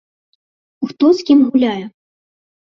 Хто з кім гуляе?